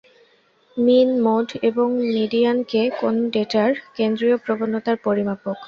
মিন, mode এবং মিডিয়ানকে কোন ডেটার কেন্দ্রীয় প্রবনতার পরিমাপক।